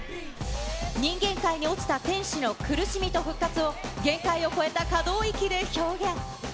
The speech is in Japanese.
人間界に落ちた天使の苦しみと復活を、限界を超えた可動域で表現。